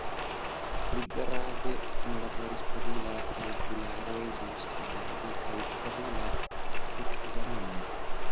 Li grave kunlaboris pri la regularoj de studado kaj pri la ekzamenoj.